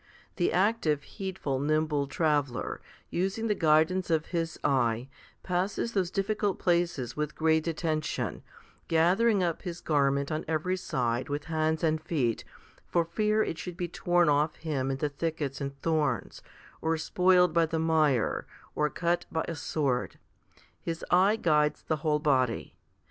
The active, heedful, nimble traveller, using the guidance of his eye, passes those difficult places with great attention, gathering up his garment on every side with 20 HOMILY IV 21 hands and feet, for fear it should be torn off him in the thickets and thorns, or spoiled by the mire, or cut by a sword. His eye guides the whole body.